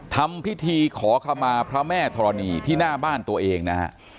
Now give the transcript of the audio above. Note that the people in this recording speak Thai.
ทำพิธีขอขมาพระแม่ธรณีที่หน้าบ้านตัวเองนะฮะ